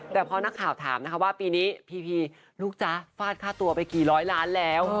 แต่พอนักข่าวถามนะคะว่าปีนี้พีพีลูกจ๊ะฟาดค่าตัวไปกี่ร้อยล้านแล้ว